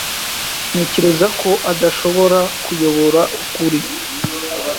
Ntekereza ko adashobora kuyobora ukuri.